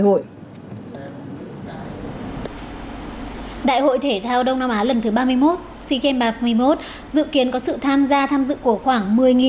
đại hội thể thao đông nam á lần thứ ba mươi một sea games ba mươi một dự kiến có sự tham gia tham dự của khoảng